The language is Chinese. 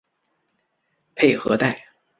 佩和代。